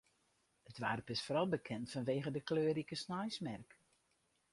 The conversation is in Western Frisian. It doarp is foaral bekend fanwege de kleurrike sneinsmerk.